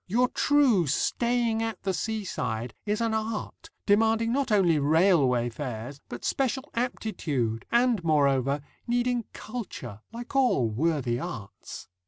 Your true staying at the seaside is an art, demanding not only railway fares but special aptitude, and, moreover, needing culture, like all worthy arts.